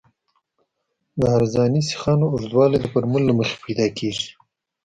د عرضاني سیخانو اوږدوالی د فورمول له مخې پیدا کیږي